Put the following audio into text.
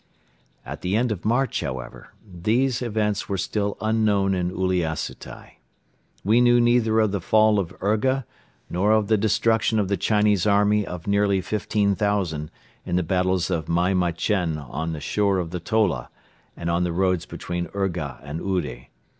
At the end of March, however, these events were still unknown in Uliassutai. We knew neither of the fall of Urga nor of the destruction of the Chinese army of nearly 15,000 in the battles of Maimachen on the shore of the Tola and on the roads between Urga and Ude.